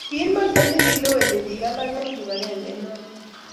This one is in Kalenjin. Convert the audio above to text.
Kiit maket nekileweni bik alak eng kibagengeit noto.